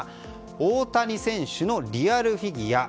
大谷選手のリアルフィギュア。